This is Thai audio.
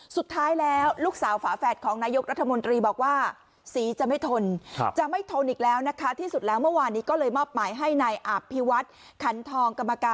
สุดท้ายลูกสาวฝาแฝดของนายกรัฐมนตรีว่า